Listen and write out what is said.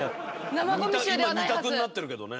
今２択になってるけどね。